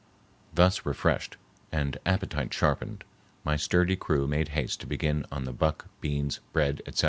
Thus refreshed, and appetite sharpened, my sturdy crew made haste to begin on the buck, beans, bread, etc.